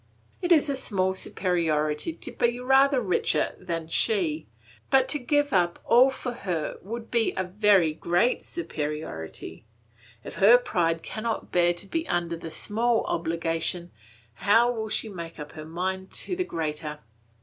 It is a small superiority to be rather richer than she, but to give up all for her would be a very great superiority; if her pride cannot bear to be under the small obligation, how will she make up her mind to the greater?